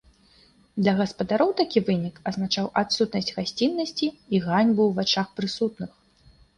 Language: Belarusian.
Для гаспадароў такі вынік азначаў адсутнасць гасціннасці і ганьбу ў вачах прысутных.